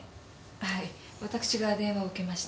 はい私が電話を受けました。